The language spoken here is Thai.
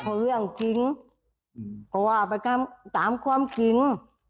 เพราะเรื่องจริงก็ว่าไปตามตามความจริง